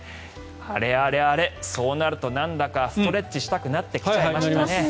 あれあれあれ、そうなるとなんだかストレッチしたくなってきちゃいましたね。